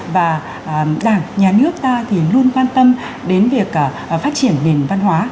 và đảng nhà nước ta thì luôn quan tâm đến việc phát triển nền văn hóa